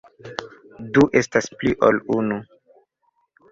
Du estas pli ol unu.